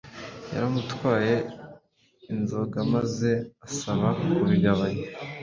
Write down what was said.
Yaramutwaye inzogamaze asaba kubigabanya